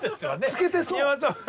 つけてそう。